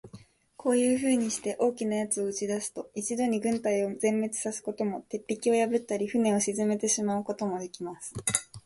こういうふうにして、大きな奴を打ち出すと、一度に軍隊を全滅さすことも、鉄壁を破ったり、船を沈めてしまうこともできます。